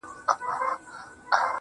ستـا د سونډو رنگ~